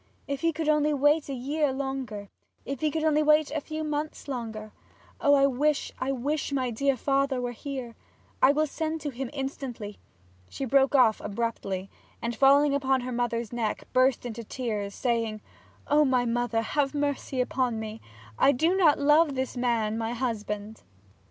If he could only wait a year longer if he could only wait a few months longer! Oh, I wish I wish my dear father were here! I will send to him instantly.' She broke off abruptly, and falling upon her mother's neck, burst into tears, saying, 'O my mother, have mercy upon me I do not love this man, my husband!'